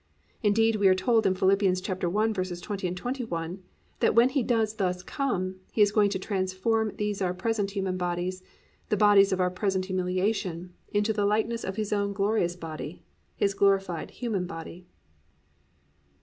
Indeed, we are told in Phil. 1:20, 21 that when He does thus come, He is going to transform these our present human bodies, the bodies of our present humiliation, into the likeness of His own glorious body, His glorified human body.